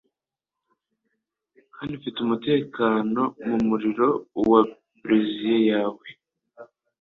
kandi mfite umutekano mumuriro wa braziers yawe